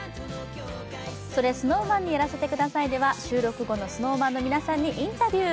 「それＳｎｏｗＭａｎにやらせて下さい」では収録後のＳｎｏｗＭａｎの皆さんにインタビュー。